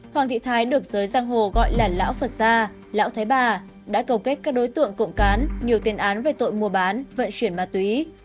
hoàng thị thái được giới giang hồ gọi là lão phật gia lão thái bà đã cầu kết các đối tượng cộng cán nhiều tiền án về tội mua bán vận chuyển ma túy